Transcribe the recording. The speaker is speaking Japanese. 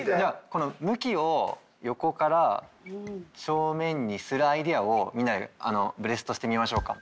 この向きを横から正面にするアイデアをみんなでブレストしてみましょうか。